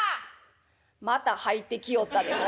「また入ってきよったでほんま。